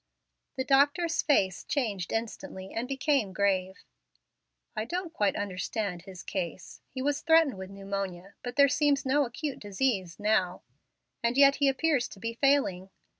The doctor's face changed instantly and became grave. "I don't quite understand his case. He was threatened with pneumonia; but there seems no acute disease now, and yet he appears to be failing.